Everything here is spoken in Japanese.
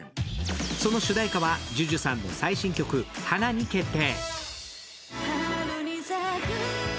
その主題歌はＪＵＪＵさんの最新曲、「花」に決定。